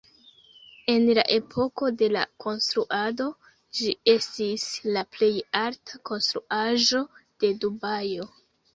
En la epoko de la konstruado, ĝi estis la plej alta konstruaĵo de Dubajo.